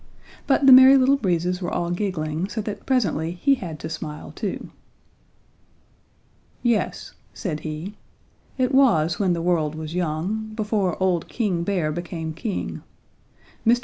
But the Merry Little Breezes were all giggling, so that presently he had to smile too. "Yes," said he, "it was when the world was young, before old King Bear became king. Mr.